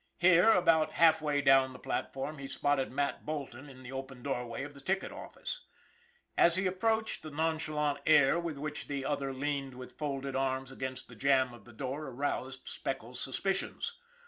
Here, about half way down the platform, he spotted Mat Bolton in the open doorway of the ticket office. As he approached, the nonchalant air with which the other leaned with folded arms against the jamb of the door aroused Speckles' suspicions.